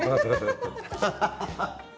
アハハハ！